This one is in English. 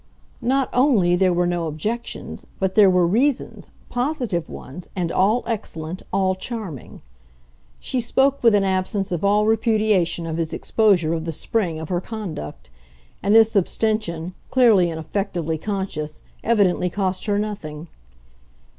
"Not only there were no objections, but there were reasons, positive ones and all excellent, all charming." She spoke with an absence of all repudiation of his exposure of the spring of her conduct; and this abstention, clearly and effectively conscious, evidently cost her nothing.